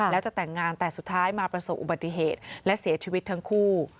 แล้วจะแต่งงานแต่สุดท้ายมาประสบอุบัติเหตุและเสียชีวิตทั้งคู่